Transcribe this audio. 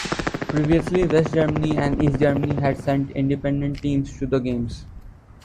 Previously, West Germany and East Germany had sent independent teams to the Games.